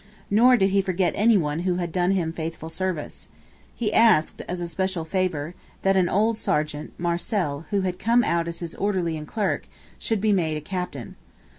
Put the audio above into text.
Nor did he forget any one who had done him faithful service. He asked, as a special favour, that an old sergeant, Marcel, who had come out as his orderly and clerk, should be made a captain.